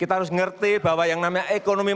kita harus ngerti bahwa yang namanya ekonomi